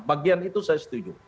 bagian itu saya setuju